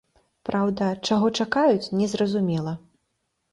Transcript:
Праўда, чаго чакаюць, не зразумела.